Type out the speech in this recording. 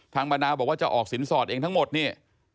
มะนาวบอกว่าจะออกสินสอดเองทั้งหมดนี่